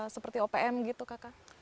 seperti opm kakak